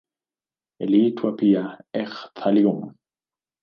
Iliitwa pia eka-thallium.